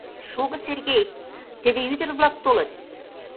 — Шого, Сергей, теве ӱдыр-влак толыт.